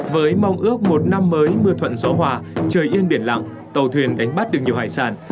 với mong ước một năm mới mưa thuận gió hòa trời yên biển lặng tàu thuyền đánh bắt được nhiều hải sản